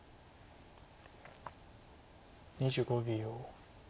２５秒。